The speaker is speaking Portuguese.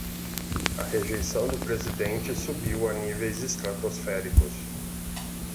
A rejeição do presidente subiu a níveis estratosféricos